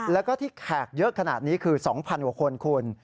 แล้วก็ที่แขกเยอะขนาดนี้คือ๒๐๐กว่าคนคุณ